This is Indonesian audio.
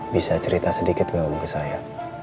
bisa cerita sedikit ke om ke saya